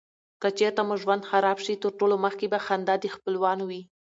که چیرته مو ژوند خراب شي تر ټولو مخکي به خندا دې خپلوانو وې.